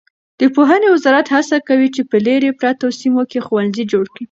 د پوهنې وزارت هڅه کوي چې په لیرې پرتو سیمو کې ښوونځي جوړ کړي.